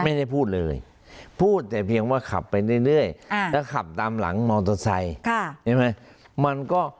ไม่ได้พูดเลยพูดแต่เพียงว่าขับไปเรื่อยแล้วขับตามหลังมอเตอร์ไซค์ใช่ไหม